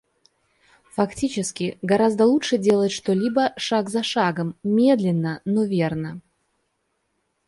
Фактически, гораздо лучше делать что-либо шаг за шагом, медленно, но верно.